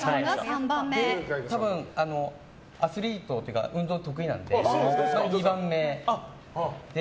多分、アスリートというか運動得意なので２番目で。